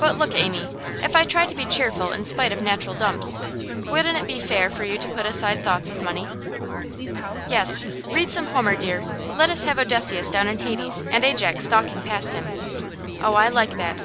'But look, Amy. If I try to be cheerful in spite of natural dumps, wouldn't it be fair for you to put aside thoughts of money?' 'Yes. Read some Homer, dear. Let us have Odysseus down in Hades, and Ajax stalking past him. Oh, I like that!